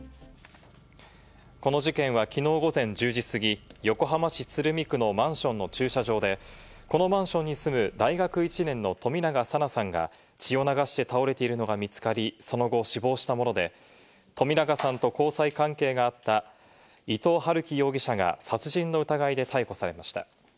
この事件はきのう午前１０時すぎ、横浜市鶴見区のマンションの駐車場でこのマンションに住む大学１年の冨永紗菜さんが、血を流して倒れているのが見つかり、その後死亡したもので、冨永さんと交際関係があった伊藤龍稀容疑者が殺人の疑いで逮捕されました。